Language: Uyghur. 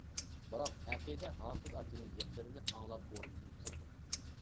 بىراق ئەقىدە ھاپىز ئاكىنىڭ گەپلىرىنى ئاڭلاپ ئورنىدىن تۇردى.